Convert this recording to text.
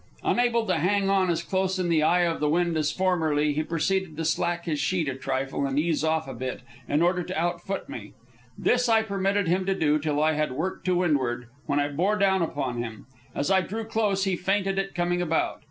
Unable to hang on as close in the eye of the wind as formerly, he proceeded to slack his sheet a trifle and to ease off a bit, in order to outfoot me. This I permitted him to do till I had worked to windward, when I bore down upon him. As I drew close, he feinted at coming about.